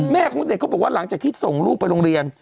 ของเด็กเขาบอกว่าหลังจากที่ส่งลูกไปโรงเรียน